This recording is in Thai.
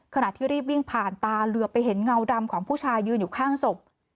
ขณะที่รีบวิ่งผ่านตาเหลือไปเห็นเงาดำของผู้ชายยืนอยู่ข้างศพ